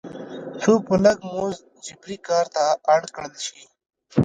څو په لږ مزد جبري کار ته اړ کړل شي.